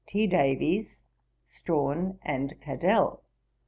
T. Davies, Strahan, and Cadell.